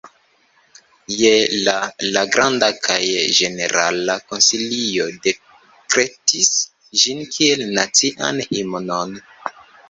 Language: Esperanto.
Je la la Granda kaj Ĝenerala Konsilio dekretis ĝin kiel nacian himnon.